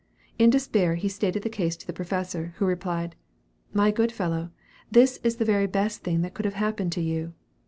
In despair, he stated the case to the professor, who replied, "My good fellow, this is the very best thing that could have happened to you!